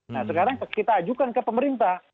nah sekarang kita ajukan ke pemerintah